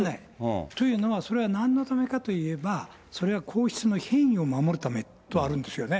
というのは、それはなんのためかといえば、それは皇室の品位を守るためとあるんですよね。